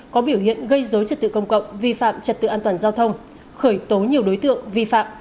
có biểu hiện gây dối trật tự công cộng vi phạm trật tự an toàn giao thông khởi tố nhiều đối tượng vi phạm